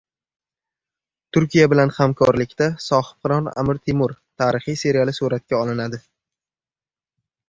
Turkiya bilan hamkorlikda "Sohibqiron Amir Temur" tarixiy seriali suratga olinadi